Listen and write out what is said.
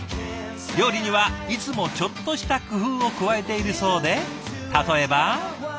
料理にはいつもちょっとした工夫を加えているそうで例えば。